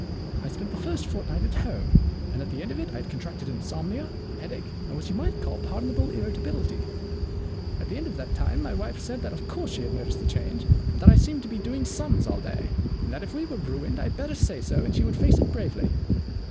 I spent the first fortnight at home, and at the end of it I had contracted insomnia, headache, and what you might call pardon able irritability. At the end of that time^ my wife said that of course she had noticed the change, and that I seemed to be doing sums all day, and that if we were ruined I had better say so and she would face it bravely.